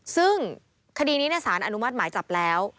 ซึ่งคดีนี้สารอนุมัติหมายจับแล้ว